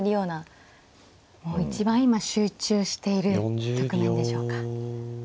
もう一番今集中している局面でしょうか。